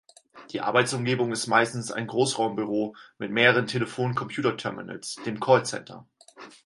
Die Arbeitsumgebung ist meistens ein Großraumbüro mit mehreren Telefon-Computer-Terminals, dem Callcenter.